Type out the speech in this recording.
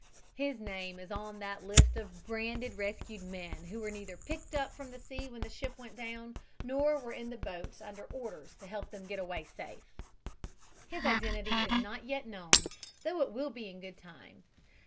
His name is on that list of branded rescued men who were neither picked up from the sea when the ship went down nor were in the boats under orders to help get them safe away. His identity is not yet known, though it will be in good time.